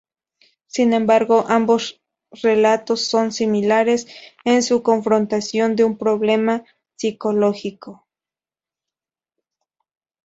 Sin embargo, ambos relatos son similares en su confrontación de un problema psicológico.